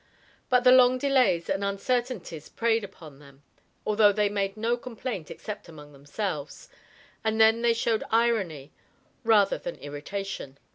But the long delays and uncertainties preyed upon them, although they made no complaint except among themselves, and then they showed irony rather than irritation.